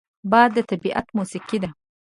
باد د طبیعت موسیقي ده